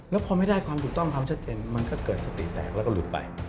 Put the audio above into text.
แล้วพอไม่ได้ความถูกต้องความชัดเจนมันก็เกิดสติแตกแล้วก็หลุดไป